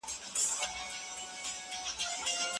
ګڼو خلګو اوږد ډنډ ړنګ کړی دی.